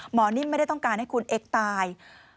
นิ่มไม่ได้ต้องการให้คุณเอ็กซ์ตาย